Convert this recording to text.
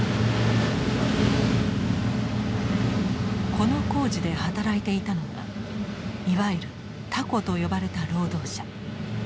この工事で働いていたのがいわゆる「タコ」と呼ばれた労働者。